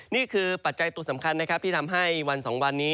ปัจจัยตัวสำคัญนะครับที่ทำให้วัน๒วันนี้